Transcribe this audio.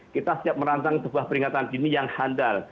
kita siap merancang sebuah peringatan dini yang handal